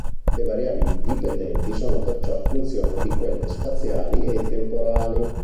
Le variabili dipendenti sono perciò funzione di quelle spaziali e temporali.